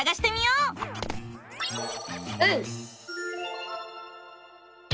うん！